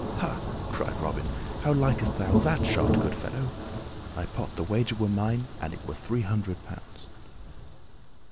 "Ha!" cried Robin, "how likest thou that shot, good fellow? I wot the wager were mine, an it were three hundred pounds."